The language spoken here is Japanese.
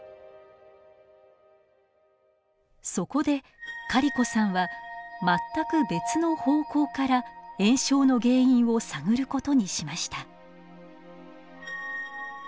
そこでカリコさんは全く別の方向から炎症の原因を探ることにしました。